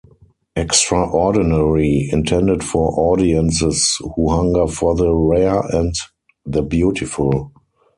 Extraordinary, intended for audiences who hunger for the rare and the beautiful.